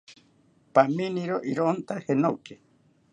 ¡Pamiomiro ironta jenoki!